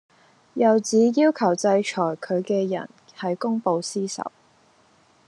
又指要求制裁佢嘅人係公報私仇